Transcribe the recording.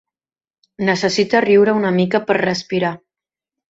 Necessita riure una mica per respirar.